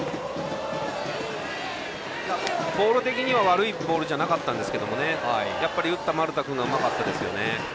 ボール的には悪いボールじゃなかったんですがやっぱり打った丸田君がうまかったですよね。